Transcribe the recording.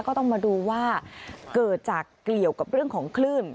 ก็ต้องมาดูว่าเกิดจากเกี่ยวกับเรื่องของคลื่น